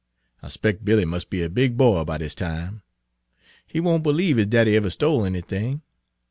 I 'spec' Billy must be a big boy by dis time. He won' b'lieve his daddy ever stole anything.